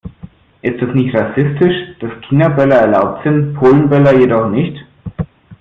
Ist es nicht rassistisch, dass Chinaböller erlaubt sind, Polenböller jedoch nicht?